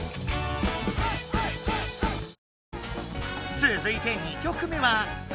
つづいて２曲目はお！